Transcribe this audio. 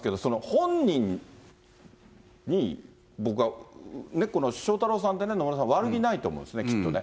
本人に、僕はね、この翔太郎さんってね、野村さん、悪気ないと思うんですね、きっとね。